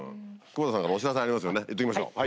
窪田さんお知らせありますよね言っときましょう。